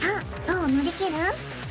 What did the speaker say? どう乗り切る？